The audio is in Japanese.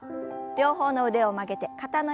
両方の腕を曲げて肩の横へ。